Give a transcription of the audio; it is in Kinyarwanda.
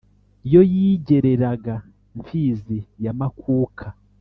yo yigereraga mfizi ya makuka,